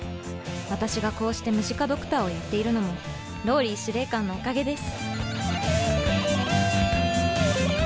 私がこうしてムジカ・ドクターをやっているのもＲＯＬＬＹ司令官のおかげです。